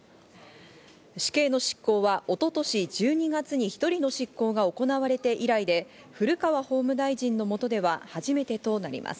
死刑の執行は一昨年１２月に１人の執行が行われて以来で、古川法務大臣のもとでは初めてとなります。